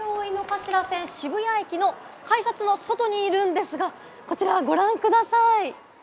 私は今、京王井の頭線渋谷駅の改札の外にいるんですが、こちらをご覧ください。